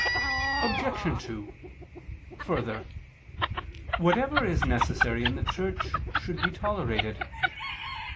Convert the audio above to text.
Obj. 2: Further, whatever is necessary in the Church should be tolerated.